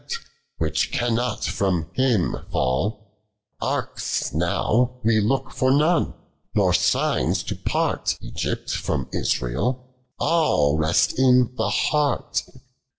t, which cannot from Him fall : Arks now we look for none, nor signes to part t'Kgypt from Israel ; all rests* in the heart.